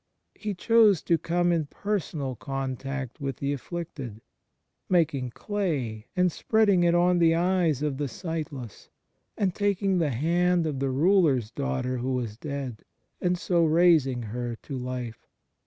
He chose to come in personal contact with the afflicted, making clay and spreading it on the eyes of the sight less, and taking the hand of the Ruler s daughter who was dead, and so raising her to life.